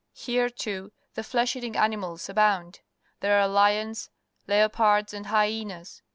Here, too, the flesh eating animals abound. There are lions, leopards, and hj'enas.